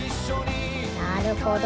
なるほど。